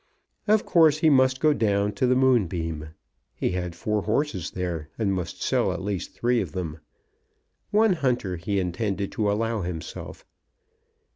Of course he must go down to the Moonbeam. He had four horses there, and must sell at least three of them. One hunter he intended to allow himself.